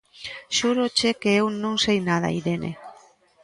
Xúroche que eu non sei nada, Irene.